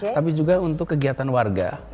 tapi juga untuk kegiatan warga